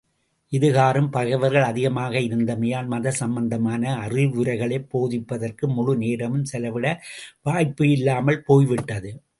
இதுகாறும் பகைவர்கள் அதிகமாக இருந்தமையால், மத சம்பந்தமான அறிவுரைகளைப் போதிப்பதற்கு முழு நேரமும் செலவிட வாய்ப்பு இல்லாமல் போய்விட்டது.